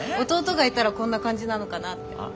弟がいたらこんな感じなのかなって。